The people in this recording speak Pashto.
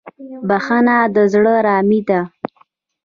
بخښنه د زړه ارامي ده.